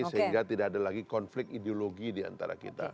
sehingga tidak ada lagi konflik ideologi diantara kita